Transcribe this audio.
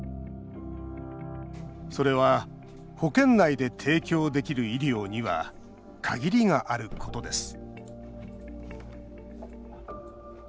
それは保険内で提供できる医療には限りがあることです